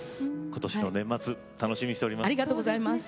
今年の年末楽しみにしています。